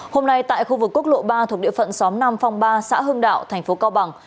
hôm nay tại khu vực quốc lộ ba thuộc địa phận xóm nam phong ba xã hưng đạo thành phố cao bằng